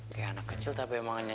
kayak anak kecil tapi emangnya